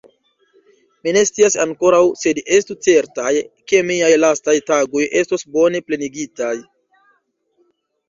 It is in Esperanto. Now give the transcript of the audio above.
Mi ne scias ankoraŭ; sed estu certaj, ke miaj lastaj tagoj estos bone plenigitaj.